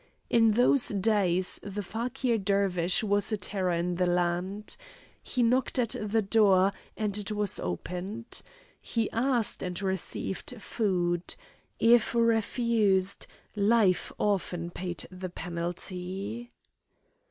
In those days the Fakir Dervish was a terror in the land. He knocked at the door, and it was opened. He asked, and received food. If refused, life often paid the penalty.